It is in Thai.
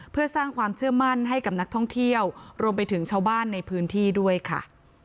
เพื่อสร้างความเชื่อมั่นให้กับนักท่องเที่ยวรวมไปถึงชาวบ้านในพื้นที่ด้วยค่ะ